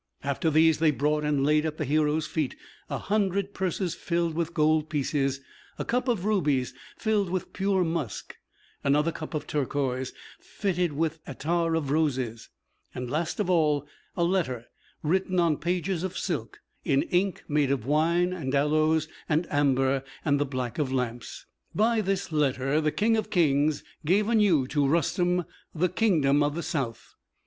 After these they brought and laid at the hero's feet a hundred purses filled with gold pieces; a cup of rubies, filled with pure musk; another cup of turquoise, filled with attar of roses; and, last of all, a letter written on pages of silk, in ink made of wine and aloes and amber and the black of lamps. By this letter the King of kings gave anew to Rustem the kingdom of the south.